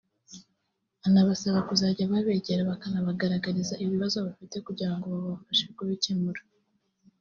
anabasaba kuzajya babegera bakabagaragariza ibibazo bafite kugira ngo babafashe kubikemura